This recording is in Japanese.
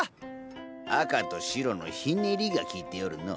赤と白のひねりがきいておるのう。